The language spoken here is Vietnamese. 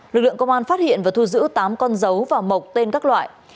lực lượng công an phát hiện và thu giữ tám con dấu và mộc tên các loại